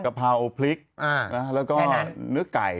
กะเพราพริกแล้วก็เนื้อไก่